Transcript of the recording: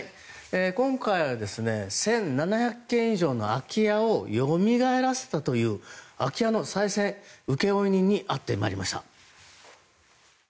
今回は１７００軒以上の空き家をよみがえらせたという空き家の再生請負人に会ってまいりました。